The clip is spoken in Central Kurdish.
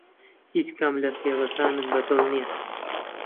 هیچ کام لە کێکەکانم بەدڵ نییە.